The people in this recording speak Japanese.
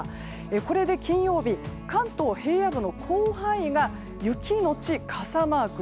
これで金曜日関東平野部の広範囲が雪のち傘マーク。